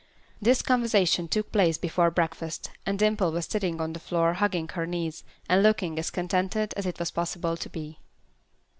This conversation took place before breakfast, and Dimple was sitting on the floor hugging her knees, and looking as contented as it was possible to be.